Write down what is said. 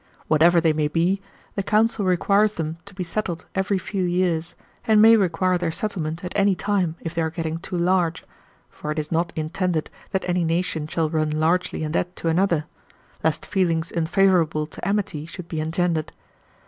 Whatever they may be, the council requires them to be settled every few years, and may require their settlement at any time if they are getting too large; for it is not intended that any nation shall run largely in debt to another, lest feelings unfavorable to amity should be engendered.